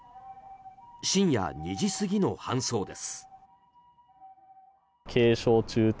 深夜２時過ぎの搬送です。